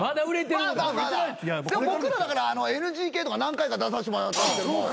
僕らだからＮＧＫとか何回か出させてもらったんですけど